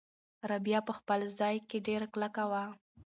رابعه په خپل ځای کې ډېره کلکه وه.